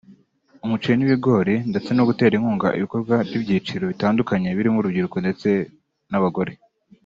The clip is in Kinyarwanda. umuceri n’ibigori ndetse no gutera inkunga ibikorwa by’ibyiciro bitandukanye birimo urubyiruko ndetse n’abagore